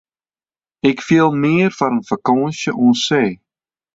Ik fiel mear foar in fakânsje oan see.